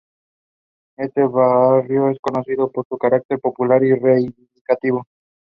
Este barrio es conocido por su carácter popular y reivindicativo.